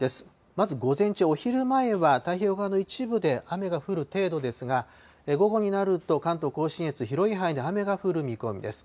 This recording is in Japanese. まず午前中、お昼前は太平洋側の一部で雨が降る程度ですが、午後になると、関東甲信越、広い範囲で雨が降る見込みです。